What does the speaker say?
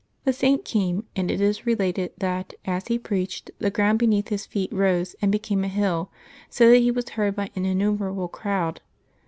The Saint came, and it is related that, as he preached, the ground beneath his feet rose and became a hill, so that he was heard by an innumerable crowd.